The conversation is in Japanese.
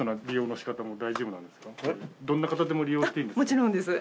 もちろんです。